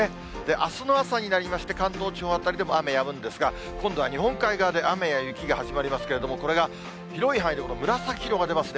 あすの朝になりまして、関東地方辺りでも雨やむんですが、今度は日本海側で雨や雪が始まりますけれども、これが広い範囲で紫色が出ますね。